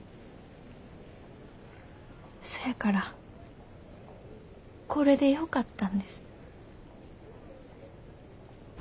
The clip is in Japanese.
そやからこれでよかったんです。